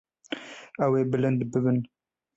Ew ê bilind bibin.